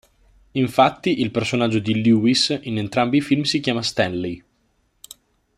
Infatti, il personaggio di Lewis in entrambi i film si chiama Stanley.